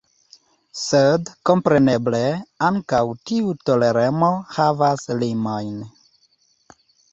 Sed kompreneble ankaŭ tiu toleremo havas limojn.